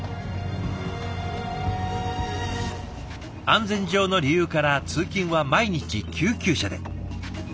安全上の理由から通勤は毎日救急車で。